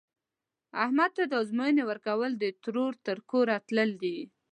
احمد ته د ازموینې ورکول، د ترور تر کوره تلل دي.